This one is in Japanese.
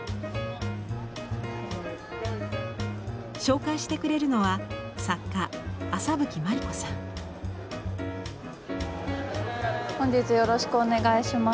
紹介してくれるのは本日よろしくお願いします。